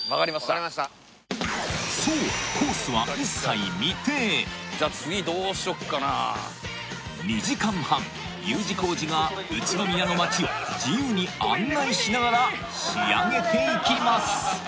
分かりましたそうコースは一切未定じゃあ次どうしよっかな２時間半Ｕ字工事が宇都宮の町を自由に案内しながら仕上げていきます